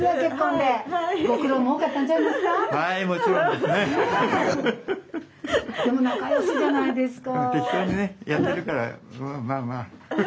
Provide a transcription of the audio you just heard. でも仲良しじゃないですか。